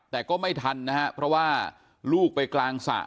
แต่ก็ไม่ทันนะฮะเพราะว่าลูกไปกลางสระ